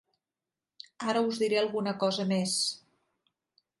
Ara us diré alguna cosa més.